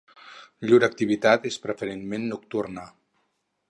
Llur activitat és preferentment nocturna.